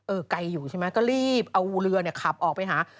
เออไกลอยู่ใช่ไหมก็รีบเอาเรือขับออกไปหา